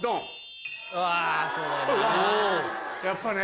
やっぱね。